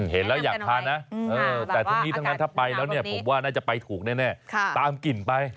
เห็นแล้วอยากทานนะแต่ทั้งนี้ทั้งนั้นถ้าไปแล้วเนี่ยผมว่าน่าจะไปถูกแน่ตามกลิ่นไป